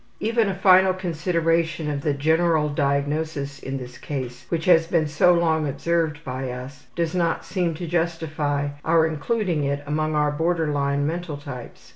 Even a final consideration of the general diagnosis in this case which has been so long observed by us does not seem to justify our including it among our border line mental types.